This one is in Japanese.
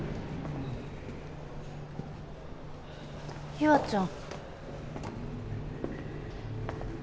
優愛ちゃん。